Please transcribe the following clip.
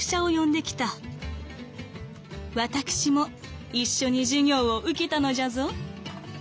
私も一緒に授業を受けたのじゃぞ」。